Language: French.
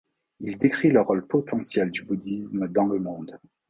Il décrit le rôle potentiel du bouddhisme dans le monde.